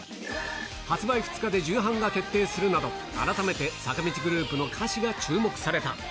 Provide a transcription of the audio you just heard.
発売２日で重版が決定するなど、改めて坂道グループの歌詞が注目された。